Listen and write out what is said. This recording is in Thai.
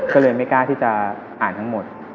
ก็เลยไม่กล้าที่จะอ่านทั้งหมด